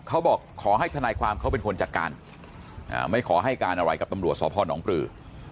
ขอให้ทนายความเขาเป็นคนจัดการไม่ขอให้การอะไรกับตำรวจสพนปลือ